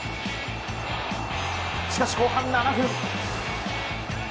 しかし後半７分。